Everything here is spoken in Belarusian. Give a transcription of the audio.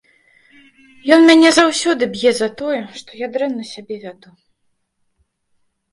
Ён мяне заўсёды б'е за тое, што я дрэнна сябе вяду.